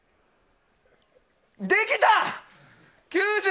できた！